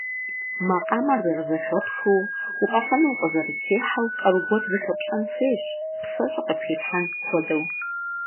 Makhamer zerızexepxıu, vukhefenu vukhızerıtêheu kharu guer zıxepş'en xuêyş, pseş'e khıpxıham xuedeu.